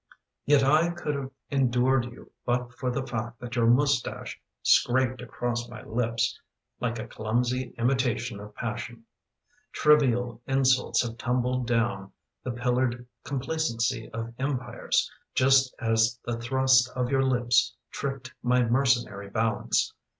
Yet I could have endured you But for the fact that your moustache Scraped across my lips Like a clumsy imitation of passion. Trivial insults have tumbled down The pillared complacency of empires Just as the thrust of your lips Tripped my mercenary balance.